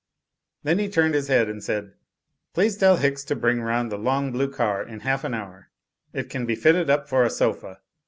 Then he turned his head and said, "Please tell Hicks to bring round the long blue car in half an hour; it can be fitted up for a sofa.